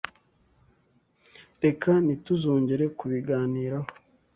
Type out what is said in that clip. Reka ntituzongere kubiganiraho.